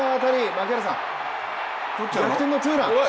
槙原さん、逆転のツーラン